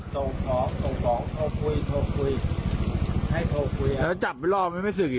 ส่งของส่งของโทษคุยโทษคุย